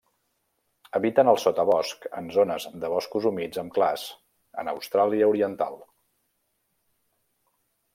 Habiten al sotabosc, en zones de boscos humits amb clars, en Austràlia oriental.